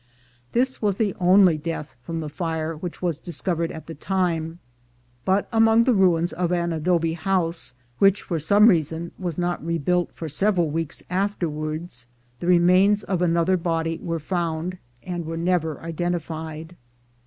This was the only death from the fire which was discovered at the time, but among the ruins of an adobe house, which for some reason was not rebuilt for several weeks afterwards, the remains of another body were found, and were never identified.